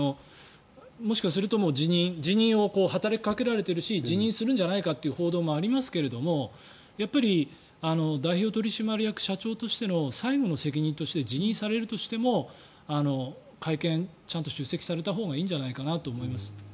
もしかすると辞任辞任を働きかけられているし辞任するんじゃないかという報道もありますがやっぱり代表取締役社長としての最後の責任としても辞任されるとしても会見、ちゃんと出席されたほうがいいんじゃないかと思います。